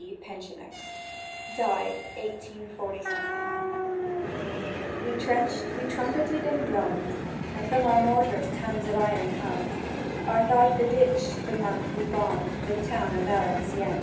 (PENSIONER). DIED 184– WE trenched, we trumpeted and drummed, And from our mortars tons of iron hummed Ath'art the ditch, the month we bombed The Town o' Valencieën.